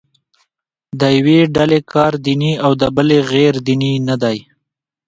د یوې ډلې کار دیني او د بلې غیر دیني نه دی.